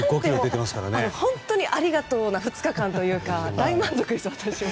本当にありがとうな２日間というか大満足でした、私は。